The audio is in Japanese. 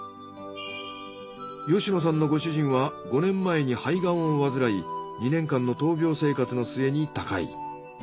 吉野さんのご主人は５年前に肺がんを患い２年間の闘病生活の末に他界。